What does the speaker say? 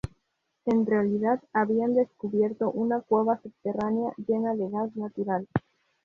En realidad, habían descubierto una cueva subterránea llena de gas natural.